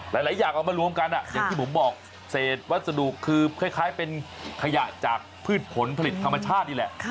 หลายอย่างเอามารวมกันอย่างที่ผมบอกเศษวัสดุคือคล้ายเป็นขยะจากพืชผลผลิตธรรมชาตินี่แหละ